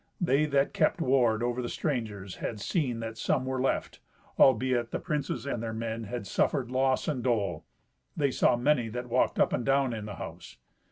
They that kept ward over the strangers had seen that some were left, albeit the princes and their men had suffered loss and dole. They saw many that walked up and down in the house.